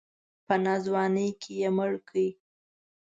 په ناځواني کې یې مړ کړ.